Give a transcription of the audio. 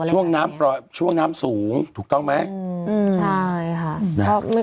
ช่วงน้ำช่วงน้ำสูงถูกต้องไหม